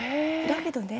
だけどね